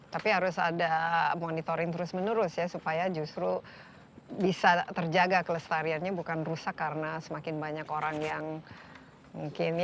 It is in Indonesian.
tapi harus ada monitoring terus menerus ya supaya justru bisa terjaga kelestariannya bukan rusak karena semakin banyak orang yang mungkin